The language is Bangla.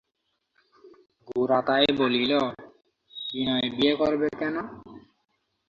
গোরা তাই বলিল, বিনয় বিয়ে করবে কেন?